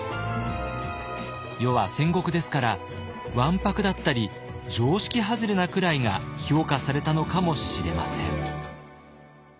世は戦国ですからわんぱくだったり常識外れなくらいが評価されたのかもしれません。